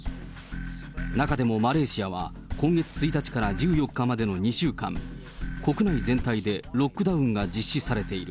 中でもマレーシアは、今月１日から１４日までの２週間、国内全体でロックダウンが実施されている。